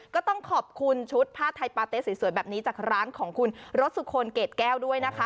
ก็ต้องขอบคุณชุดผ้าไทยปาเต๊ะสวยแบบนี้จากร้านของคุณรสสุคนเกรดแก้วด้วยนะคะ